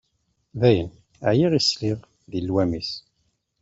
Dayen, εyiɣ i sliɣ i llwam-is.